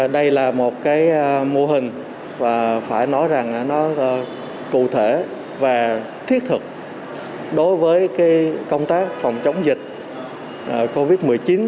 đây là một cái mô hình và phải nói rằng nó cụ thể và thiết thực đối với công tác phòng chống dịch covid một mươi chín